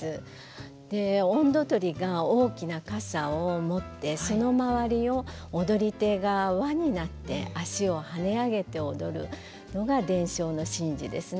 音頭取りが大きな傘を持ってその周りを踊り手が輪になって足を跳ね上げて踊るのが伝承の神事ですね。